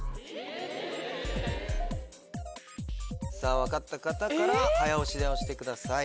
さぁ分かった方から早押しで押してください。